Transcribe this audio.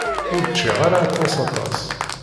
Ur ččiɣ ara aṭas aṭas.